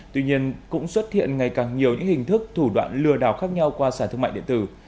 tuy nhiên cũng xuất hiện ngày càng nhiều những hình thức thủ đoạn lừa đảo khác nhau qua sản thương mại điện tử